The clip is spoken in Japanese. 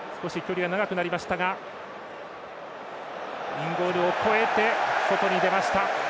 インゴールを越えて外に出ました。